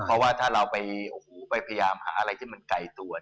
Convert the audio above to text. เพราะว่าถ้าเราไปพยายามหาอะไรที่มันใกล้ตัว